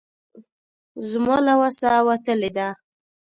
زما له وسه وتلې ده.